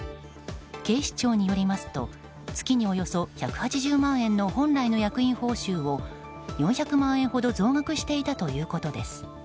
警視庁によりますと月におよそ１８０万円の本来の役員報酬を４００万円ほど増額していたということです。